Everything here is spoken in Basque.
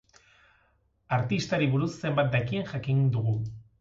Artistari buruz zenbat dakien jakin dugu.